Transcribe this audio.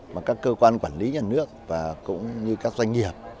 mà các cơ quan quản lý nhà nước và cũng như các doanh nghiệp